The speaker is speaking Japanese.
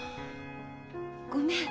ごめん。